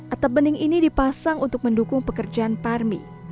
atap bening ini dipasang untuk mendukung pekerjaan parmi